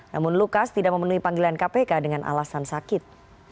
namun lukas tidak memenuhi panggilan kpk dengan alasan sakit